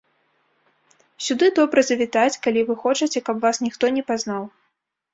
Сюды добра завітаць, калі вы хочаце, каб вас ніхто не пазнаў.